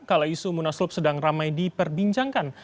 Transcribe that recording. kalau isu munaslup sedang ramai diperbincangkan